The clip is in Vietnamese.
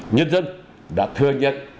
nhân dân đã thừa nhận